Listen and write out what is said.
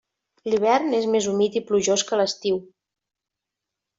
L'hivern és més humit i plujós que l'estiu.